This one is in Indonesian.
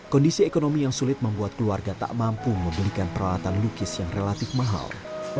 kondisi ekonomi yang sulit membuat keluarga tak mampu membelikan peralatan lukis yang relatif mahal